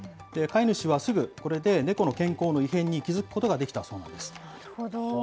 飼い主はすぐ、これで猫の健康の異変に気付くことができたそうです。